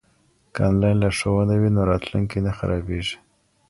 که انلاین لارښوونه وي نو راتلونکی نه خرابیږي.